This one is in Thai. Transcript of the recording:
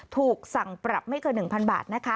ถูกสั่งปรับไม่เกิน๑๐๐๐บาทนะคะ